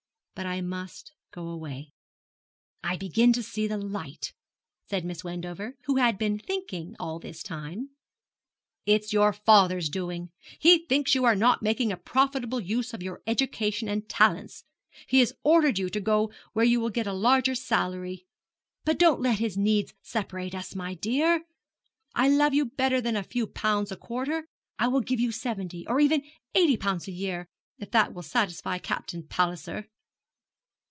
But I must go away.' 'I begin to see light,' said Miss Wendover, who had been thinking all this time. 'It's your father's doing. He thinks you are not making a profitable use of your education and talents. He has ordered you to go where you will get a larger salary. But don't let his needs separate us, my dear. I love you better than a few pounds a quarter. I will give you seventy, or even eighty pounds a year, if that will satisfy Captain Palliser.'